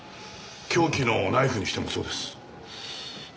凶器のナイフにしてもそうです。